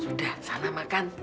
sudah sana makan